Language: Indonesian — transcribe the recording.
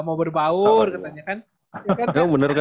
mau berbaur katanya kan